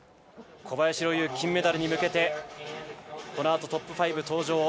小林陵侑、金メダルに向けてこのあとトップ５登場。